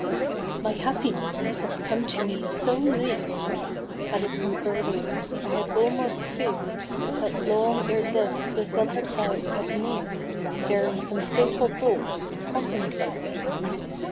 MY happiness has come to me so late ; Had it come earher, I had almost fear'd That long ere this the thunderclouds had near'd, Bearing some fatal bolt to compensate.